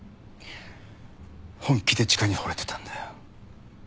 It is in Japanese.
本気でチカに惚れてたんだよ。